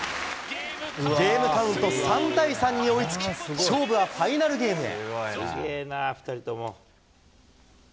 ゲームカウント３対３に追いつき、勝負はファイナルゲームへ。